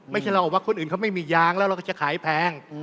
ไม่ใช่เราบอกว่าคนอื่นเขาไม่มียางแล้วเราก็จะขายแพง